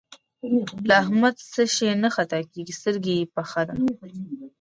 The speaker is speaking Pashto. له احمده څه شی نه خطا کېږي؛ سترګه يې پخه ده.